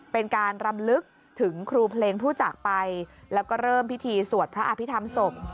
เป็นการรำลึกถึงครูเพลงผู้จากไปแล้วก็เริ่มพิธีสวดพระอภิษฐรรมศพ